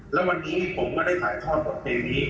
แล้ววันนี้ผมก็ได้ถ่ายทอดบทเพลงนี้